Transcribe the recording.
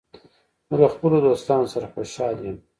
زه له خپلو دوستانو سره خوشحال یم.